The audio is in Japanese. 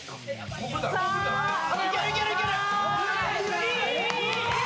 いけるいけるいける。